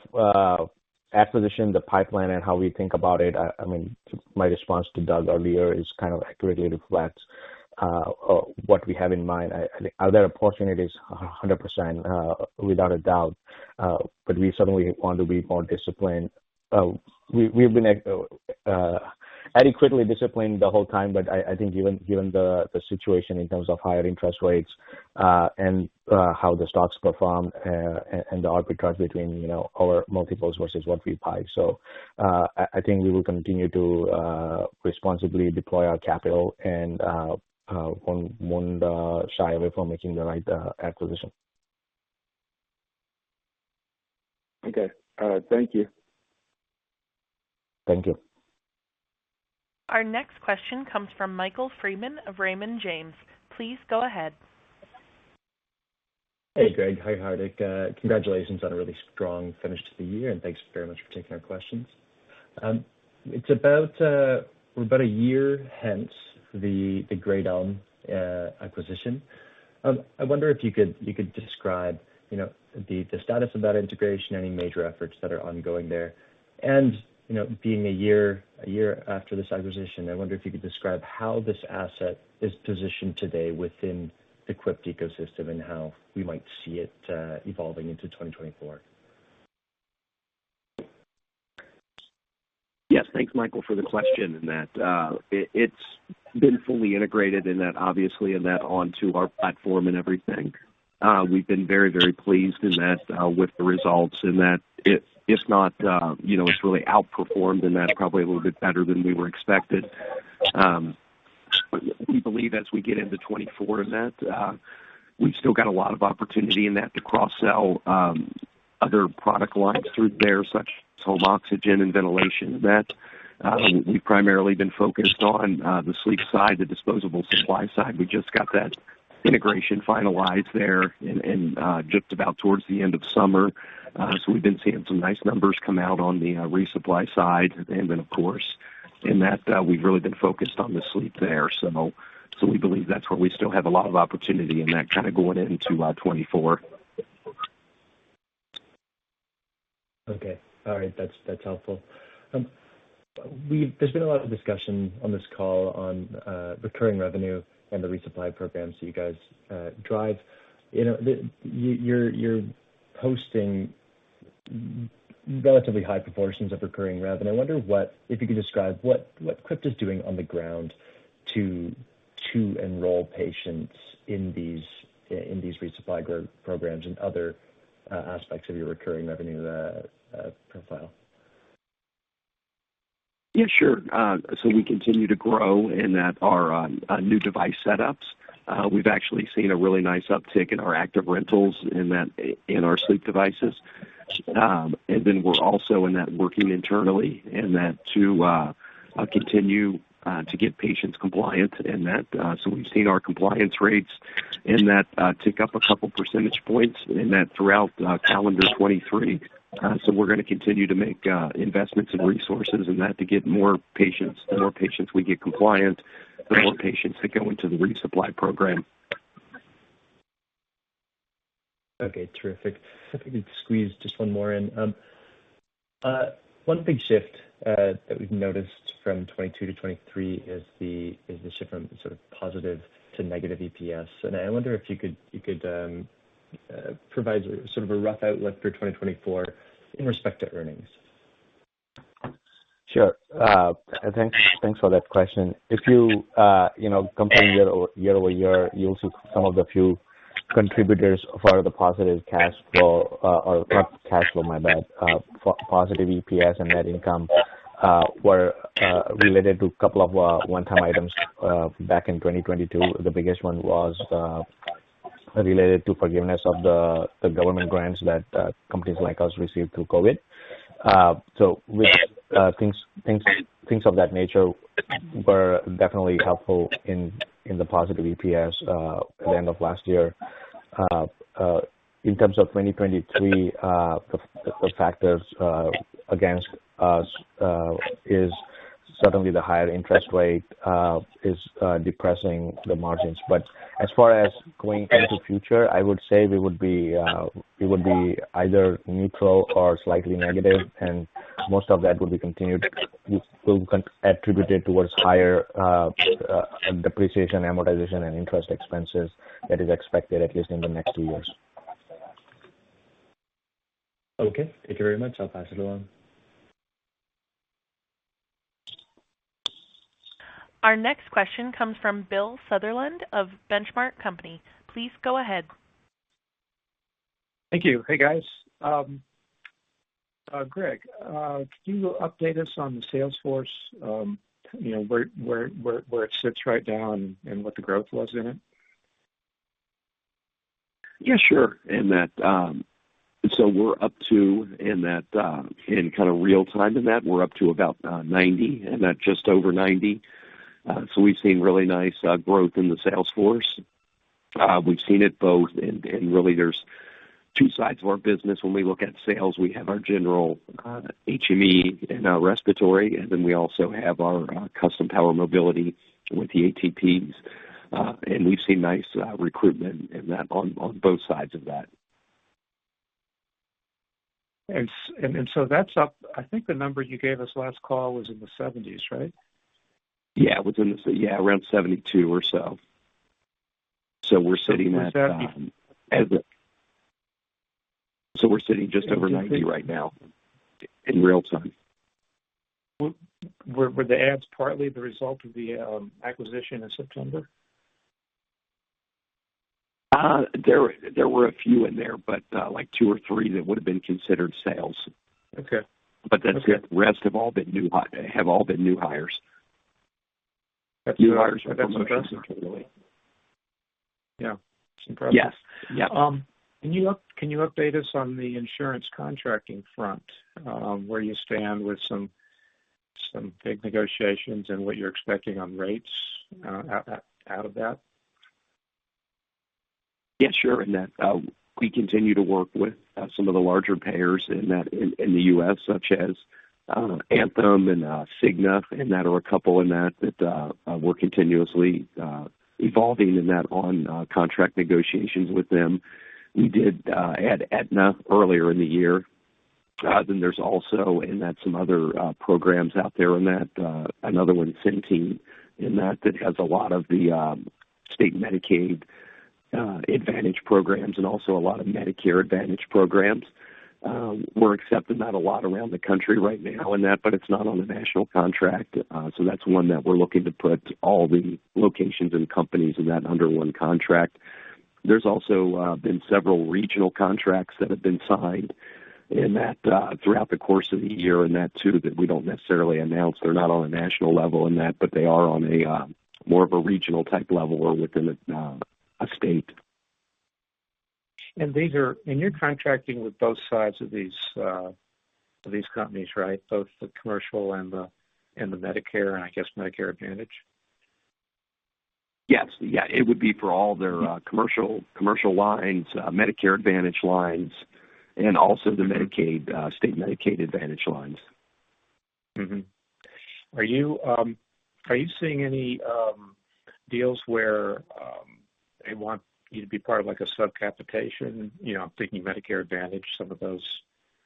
acquisition, the pipeline and how we think about it, I mean, my response to Doug earlier is kind of accurately reflects what we have in mind. I think, are there opportunities? 100%, without a doubt, but we certainly want to be more disciplined. We've been adequately disciplined the whole time, but I think given the situation in terms of higher interest rates, and how the stocks perform, and the arbitrage between, you know, our multiples versus what we pay. So, I think we will continue to responsibly deploy our capital and won't shy away from making the right acquisition. Okay. All right. Thank you. Thank you. Our next question comes from Michael Freeman of Raymond James. Please go ahead. Hey, Greg. Hi, Hardik. Congratulations on a really strong finish to the year, and thanks very much for taking our questions. It's about a year hence the Great Elm acquisition. I wonder if you could describe, you know, the status of that integration, any major efforts that are ongoing there. And, you know, being a year after this acquisition, I wonder if you could describe how this asset is positioned today within the Quipt ecosystem and how we might see it evolving into 2024? Yes. Thanks, Michael, for the question in that. It, it's been fully integrated, and that obviously, and that onto our platform and everything. We've been very, very pleased in that, with the results, and that if, if not, you know, it's really outperformed, and that's probably a little bit better than we were expected. We believe as we get into 2024 in that, we've still got a lot of opportunity in that to cross-sell, other product lines through there, such as home oxygen and ventilation, that we've primarily been focused on, the sleep side, the disposable supply side. We just got that integration finalized there in just about towards the end of summer. So we've been seeing some nice numbers come out on the resupply side. And then, of course, in that, we've really been focused on the sleep there. So we believe that's where we still have a lot of opportunity in that, kind of, going into 2024. Okay. All right. That's, that's helpful. There's been a lot of discussion on this call on recurring revenue and the resupply program. So you guys drive, you know, you're posting relatively high proportions of recurring revenue. I wonder what if you could describe what Quipt is doing on the ground to enroll patients in these resupply programs and other aspects of your recurring revenue profile? Yeah, sure. So we continue to grow in that our new device setups. We've actually seen a really nice uptick in our active rentals in that, in our sleep devices. And then we're also in that working internally, and that to continue to get patients compliant in that. So we've seen our compliance rates in that tick up a couple percentage points in that throughout calendar 2023. So we're gonna continue to make investments and resources in that to get more patients, the more patients we get compliant, the more patients that go into the resupply program. Okay, terrific. If I could squeeze just one more in. One big shift that we've noticed from 2022 to 2023 is the shift from sort of positive to negative EPS. And I wonder if you could provide sort of a rough outlook for 2024 in respect to earnings? Sure. Thanks, thanks for that question. If you, you know, compare year over year, you'll see some of the few contributors for the positive cash flow, or not cash flow, my bad, positive EPS and net income were related to a couple of one-time items back in 2022. The biggest one was related to forgiveness of the government grants that companies like us received through COVID. So we, things of that nature were definitely helpful in the positive EPS at the end of last year. In terms of 2023, the factors against us is certainly the higher interest rate is depressing the margins. But as far as going into the future, I would say we would be either neutral or slightly negative, and most of that would be attributed toward higher depreciation, amortization, and interest expenses. That is expected, at least in the next two years. Okay, thank you very much. I'll pass it along. Our next question comes from Bill Sutherland of Benchmark Company. Please go ahead. Thank you. Hey, guys. Greg, could you update us on the sales force, you know, where it sits right now and what the growth was in it? Yeah, sure. So in kind of real time, we're up to about 90, and not just over 90. So we've seen really nice growth in the sales force. We've seen it both, and really there's two sides to our business when we look at sales. We have our general HME and our respiratory, and then we also have our custom power mobility with the ATPs. And we've seen nice recruitment in that on both sides of that. And so that's up... I think the number you gave us last call was in the seventies, right? Yeah, it was in the, yeah, around 72 or so. So we're sitting at- Was that- So we're sitting just over 90 right now, in real time. Were the adds partly the result of the acquisition in September? There, there were a few in there, but like 2 or 3, that would have been considered sales. Okay. But the- Okay Rest have all been new hires. That's fantastic. New hires from- Yeah, it's impressive. Yes. Yeah. Can you update us on the insurance contracting front, where you stand with some big negotiations and what you're expecting on rates, out of that? Yeah, sure, in that, we continue to work with some of the larger payers in that, in the U.S., such as Anthem and Cigna, and that are a couple in that, that, we're continuously evolving in that on contract negotiations with them. We did add Aetna earlier in the year. Then there's also, and that's some other programs out there in that, another one, Centene, in that, that has a lot of the state Medicaid Advantage programs and also a lot of Medicare Advantage programs. We're accepting that a lot around the country right now in that, but it's not on the national contract. So that's one that we're looking to put all the locations and companies in that under one contract. There's also been several regional contracts that have been signed in that throughout the course of the year, and that, too, that we don't necessarily announce. They're not on a national level in that, but they are on a more of a regional type level or within a state. These are—you're contracting with both sides of these companies, right? Both the commercial and the Medicare, and I guess Medicare Advantage. Yes. Yeah, it would be for all their commercial lines, Medicare Advantage lines, and also the Medicaid state Medicaid Advantage lines. Mm-hmm. Are you seeing any deals where they want you to be part of, like, a sub-capitation, you know, thinking Medicare Advantage, some of those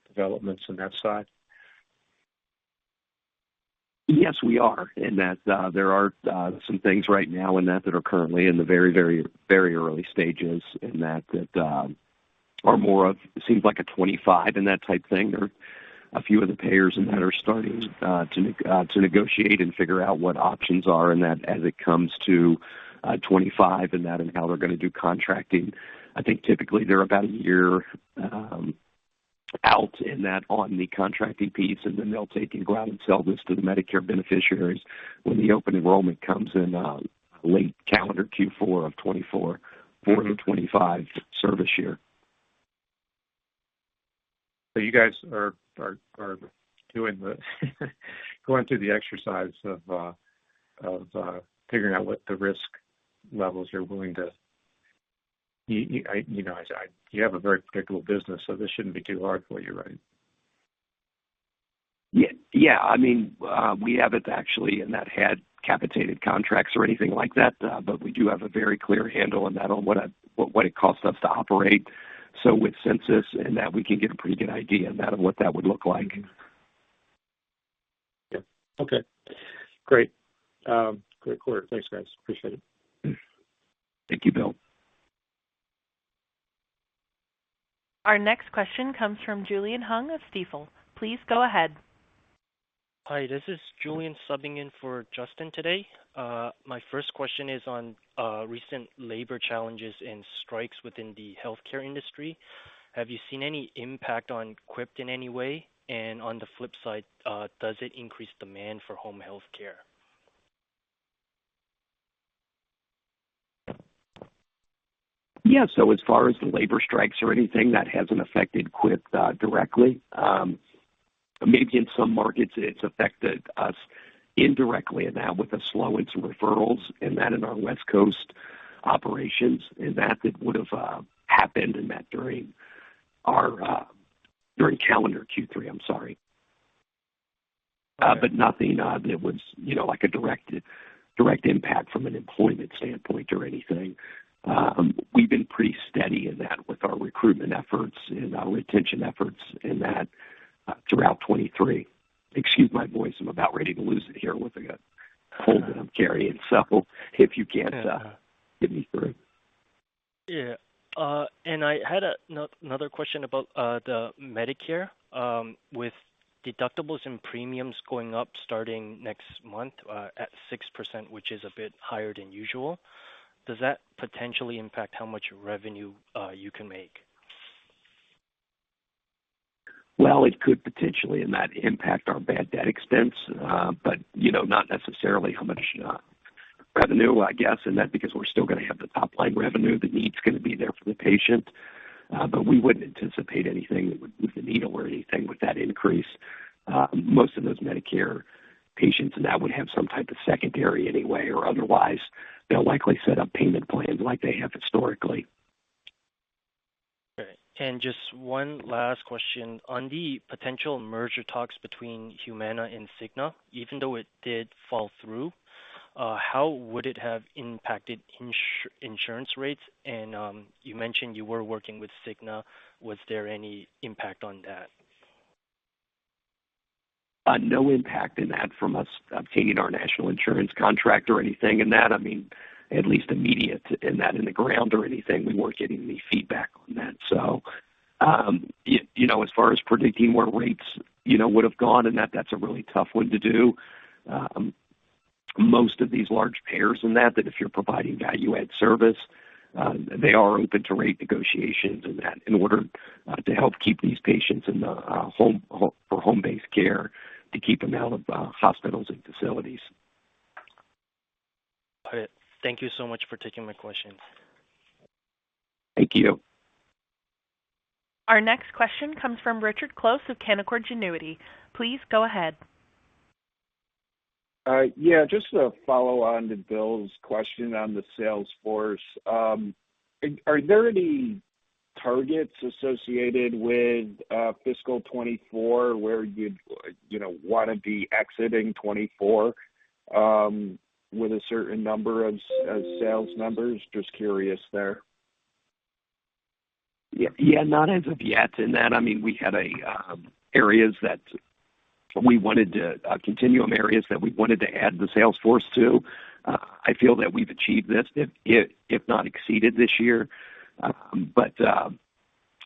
developments on that side? Yes, we are. In that, there are some things right now in that that are currently in the very, very, very early stages in that that are more of, seems like a 2025 in that type thing. There are a few of the payers in that are starting to negotiate and figure out what options are in that as it comes to 2025 and that, and how they're gonna do contracting. I think typically they're about a year out in that, on the contracting piece, and then they'll take and go out and sell this to the Medicare beneficiaries when the open enrollment comes in late calendar Q4 of 2024 for the 2025 service year. So you guys are going through the exercise of figuring out what the risk levels are willing to... You know, you have a very particular business, so this shouldn't be too hard for you, right? Yeah. Yeah, I mean, we haven't actually in that had capitated contracts or anything like that, but we do have a very clear handle on that, on what a, what it costs us to operate. So with census and that, we can get a pretty good idea on that, of what that would look like. Yeah. Okay, great. Great quarter. Thanks, guys. Appreciate it. Thank you, Bill. Our next question comes from Julian Hung of Stifel. Please go ahead. Hi, this is Julian subbing in for Justin today. My first question is on recent labor challenges and strikes within the healthcare industry. Have you seen any impact on Quipt in any way? And on the flip side, does it increase demand for home health care? Yeah, so as far as the labor strikes or anything, that hasn't affected Quipt directly. Maybe in some markets, it's affected us indirectly, and now with a slow in some referrals, and that in our West Coast operations, and that it would've happened in that during our during calendar Q3, I'm sorry. But nothing that was, you know, like a direct, direct impact from an employment standpoint or anything. We've been pretty steady in that with our recruitment efforts and our retention efforts in that throughout 2023. Excuse my voice. I'm about ready to lose it here with a cold that I'm carrying, so if you can't get me through. Yeah. I had another question about Medicare. With deductibles and premiums going up starting next month at 6%, which is a bit higher than usual, does that potentially impact how much revenue you can make? Well, it could potentially in that impact our bad debt expense, but, you know, not necessarily how much revenue, I guess, and that because we're still gonna have the top-line revenue, the need's gonna be there for the patient, but we wouldn't anticipate anything that would with the needle or anything with that increase. Most of those Medicare patients, and that would have some type of secondary anyway or otherwise, they'll likely set up payment plans like they have historically. Great. And just one last question. On the potential merger talks between Humana and Cigna, even though it did fall through, how would it have impacted insurance rates? And, you mentioned you were working with Cigna. Was there any impact on that? No impact in that from us obtaining our national insurance contract or anything in that. I mean, at least immediate in that, in the ground or anything, we weren't getting any feedback on that. So, you know, as far as predicting where rates, you know, would have gone and that, that's a really tough one to do. Most of these large payers in that, that if you're providing value add service, they are open to rate negotiations and that in order, to help keep these patients in the, home, for home-based care, to keep them out of, hospitals and facilities. All right. Thank you so much for taking my questions. Thank you. Our next question comes from Richard Close of Canaccord Genuity. Please go ahead. Yeah, just to follow on to Bill's question on the sales force. Are there any targets associated with fiscal 2024, where you'd, you know, wanna be exiting 2024, with a certain number of sales numbers? Just curious there. Yeah. Yeah, not as of yet in that. I mean, we had a areas that we wanted to continuum areas that we wanted to add the sales force to. I feel that we've achieved this, if not exceeded this year. But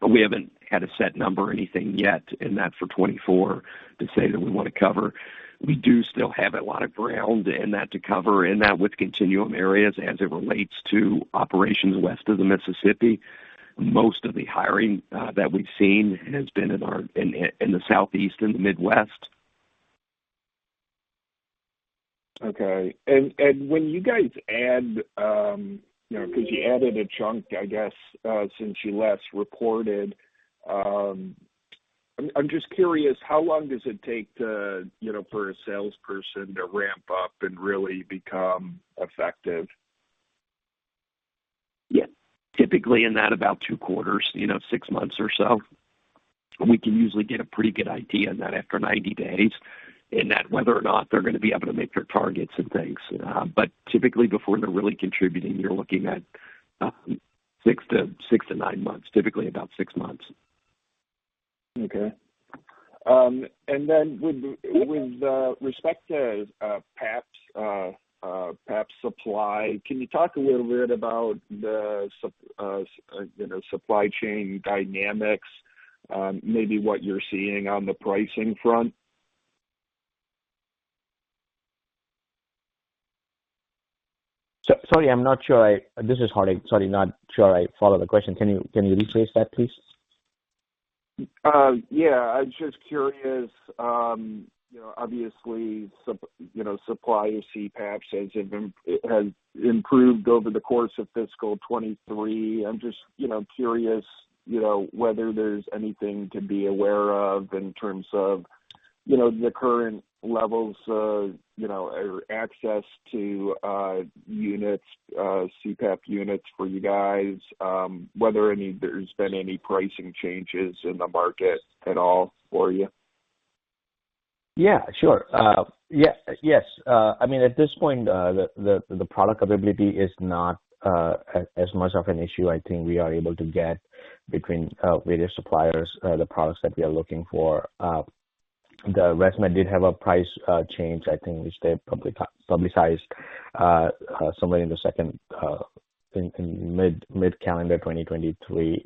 we haven't had a set number or anything yet in that for 2024 to say that we want to cover. We do still have a lot of ground in that to cover in that with continuum areas as it relates to operations west of the Mississippi. Most of the hiring that we've seen has been in our in the Southeast and the Midwest. Okay. And when you guys add, you know, because you added a chunk, I guess, since you last reported, I'm just curious, how long does it take to, you know, for a salesperson to ramp up and really become effective? Yeah. Typically, in that about two quarters, you know, six months or so. We can usually get a pretty good idea that after 90 days, in that whether or not they're going to be able to make their targets and things. But typically before they're really contributing, you're looking at six to six to nine months, typically about six months. Okay. And then with respect to PAP supply, can you talk a little bit about the supply chain dynamics, you know, maybe what you're seeing on the pricing front? So sorry, I'm not sure I... This is Hardik. Sorry, not sure I follow the question. Can you, can you rephrase that, please? Yeah, I was just curious. You know, obviously, supply of CPAP machines have been, has improved over the course of fiscal 2023. I'm just, you know, curious, you know, whether there's anything to be aware of in terms of, you know, the current levels of, you know, or access to, units, CPAP units for you guys, whether there's been any pricing changes in the market at all for you. Yeah, sure. Yes. Yes, I mean, at this point, the product availability is not as much of an issue. I think we are able to get between various suppliers the products that we are looking for. The ResMed did have a price change, I think which they publicized somewhere in the second, in mid-calendar 2023.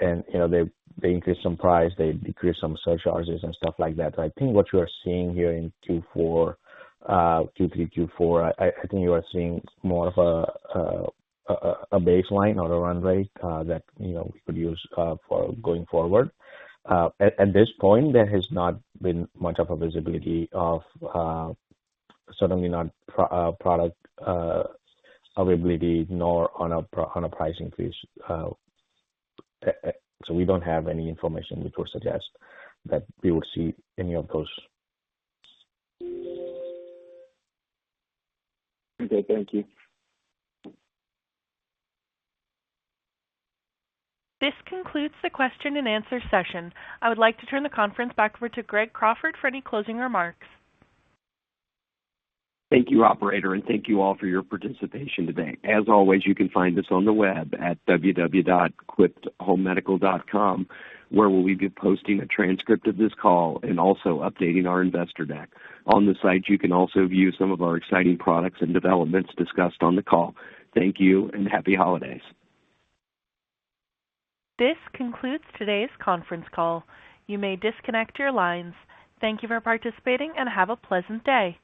And, you know, they increased some price, they decreased some surcharges and stuff like that. But I think what you are seeing here in Q4, Q3, Q4, I think you are seeing more of a baseline or a runway that, you know, we could use for going forward. At this point, there has not been much of a visibility of, certainly not product availability, nor on a price increase. So we don't have any information which would suggest that we will see any of those. Okay, thank you. This concludes the question and answer session. I would like to turn the conference back over to Greg Crawford for any closing remarks. Thank you, operator, and thank you all for your participation today. As always, you can find us on the web at www.quipthomemedical.com, where we will be posting a transcript of this call and also updating our investor deck. On the site, you can also view some of our exciting products and developments discussed on the call. Thank you and happy holidays. This concludes today's conference call. You may disconnect your lines. Thank you for participating and have a pleasant day.